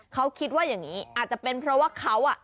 เขาคิดว่าอย่างนี้อาจจะเป็นเพราะว่าเขาอ่ะ